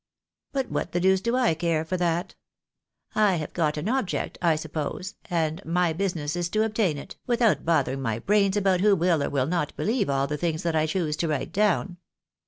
But what the deuce do I care for that ? 1 have got an object, I suppose, and my business is to obtain it, without bothering my brains about who wiU or will not beheve all the things that I choose to write down."